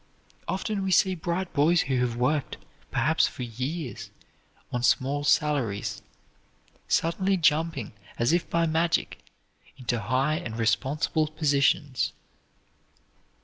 Often we see bright boys who have worked, perhaps for years, on small salaries, suddenly jumping, as if by magic, into high and responsible positions.